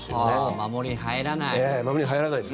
守りに入らないです。